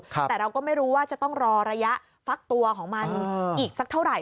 แต่เราก็ไม่รู้ว่าจะต้องรอระยะฟักตัวของมันอีกสักเท่าไหร่